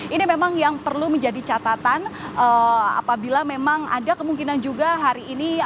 ini memang yang perlu menjadi catatan apabila memang ada kemungkinan juga hari ini